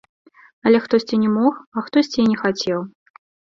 Але хтосьці не мог, а хтосьці і не хацеў.